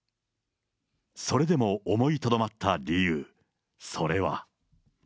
それでも思いとどまった理由、それは。